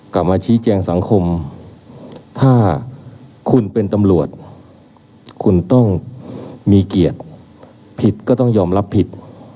มาชี้แจงสังคมถ้าคุณเป็นตำรวจคุณต้องมีเกียรติผิดก็ต้องยอมรับผิด